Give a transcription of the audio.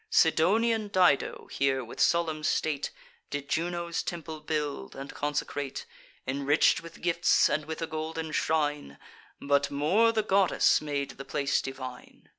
Sidonian Dido here with solemn state Did Juno's temple build, and consecrate, Enrich'd with gifts, and with a golden shrine; But more the goddess made the place divine.